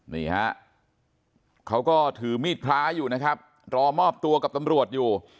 นี่ฮะเขาก็ถือมีดพระอยู่นะครับรอมอบตัวกับตำรวจอยู่